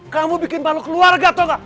kamu bikin balok keluarga tau gak